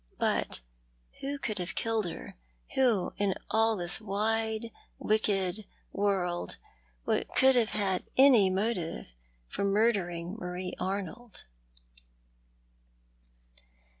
But who could have killed her — who, in all this wide, wicked world, could have had any motive for murdering Marie Arnold